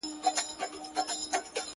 زما اوښکي د گنگا د سيند اوبه دې,